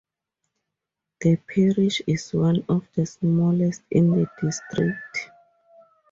The parish is one of the smallest in the district.